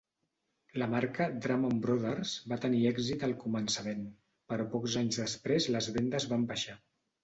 La marca Drummond Brothers va tenir èxit al començament, però pocs anys després les vendes van baixar.